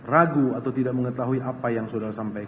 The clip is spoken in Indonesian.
ragu atau tidak mengetahui apa yang saudara sampaikan